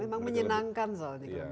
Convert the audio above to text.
memang menyenangkan soalnya